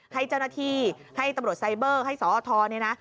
ให้เจ้าหน้าที่ให้ตำรวจไซเบอร์ให้สอทรเนี่ยนะ